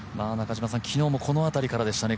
昨日もこの辺りからでしたね